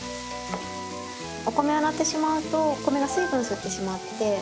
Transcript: お米を洗ってしまうとお米が水分吸ってしまって。